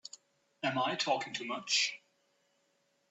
Am I talking too much?